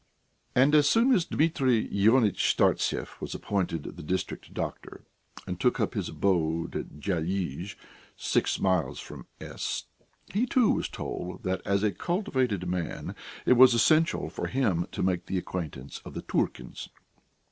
And as soon as Dmitri Ionitch Startsev was appointed the district doctor, and took up his abode at Dyalizh, six miles from S , he, too, was told that as a cultivated man it was essential for him to make the acquaintance of the Turkins.